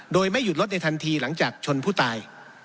โดยไม่หยุดรถในทันทีหลังจากชนผู้ตาย